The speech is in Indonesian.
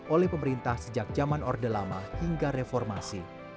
oleh pemerintah sejak zaman orde lama hingga reformasi